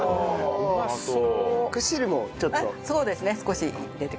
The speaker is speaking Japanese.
うまそう！